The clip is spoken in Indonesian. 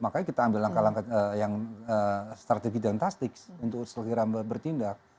makanya kita ambil langkah langkah yang strategi dan tastics untuk segera bertindak